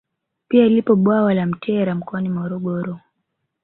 Pia lipo bwawa la Mtera mkoani Morogoro